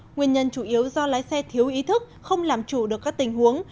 nguyên nhân chủ yếu do lái xe thiếu ý thức không làm chủ được các tình huống